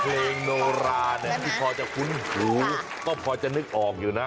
โนราเนี่ยที่พอจะคุ้นหูก็พอจะนึกออกอยู่นะ